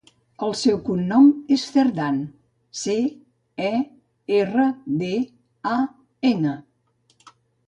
El seu cognom és Cerdan: ce, e, erra, de, a, ena.